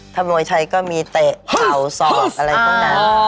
ถ้ามวยไทยก็มีเตะเขาศอกอะไรข้างนั้น